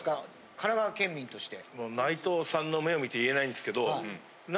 神奈川県民として。